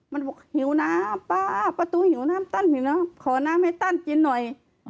มันบอกหิวน้ำป้าประตูหิวน้ำตั้นหิวนะขอน้ำให้ตั้นกินหน่อย